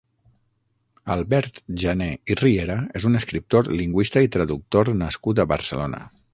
Albert Jané i Riera és un escriptor, lingüista i traductor nascut a Barcelona.